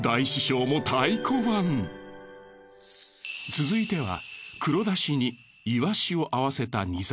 続いては黒だしにイワシを合わせた煮魚。